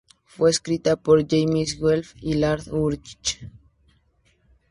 Fue escrita por James Hetfield y Lars Ulrich.